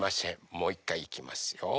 もういっかいいきますよ。